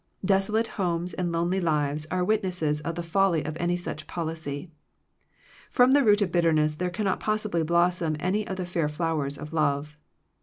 Desolated homes and lonely lives are witnesses of the folly of any such policy. From the root of bitterness there cannot possibly blossom any of the fair flowers of love.